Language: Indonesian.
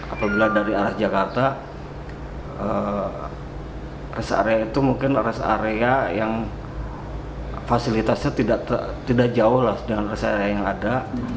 apabila dari arah jakarta rest area itu mungkin rest area yang fasilitasnya tidak jauh dengan rest area yang ada